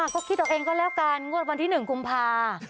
ก็คิดเอาเองก็แล้วกันงวดวันที่๑กุมภา